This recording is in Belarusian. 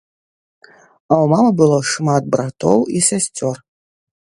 А ў мамы было шмат братоў і сясцёр.